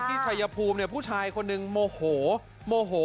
ที่ชายภูมิผู้ชายคนนึงโหม่โห